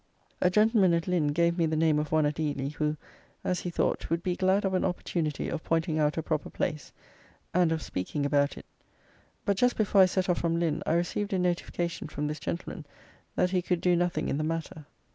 A gentleman at Lynn gave me the name of one at Ely, who, as he thought, would be glad of an opportunity of pointing out a proper place, and of speaking about it; but just before I set off from Lynn, I received a notification from this gentleman, that he could do nothing in the matter.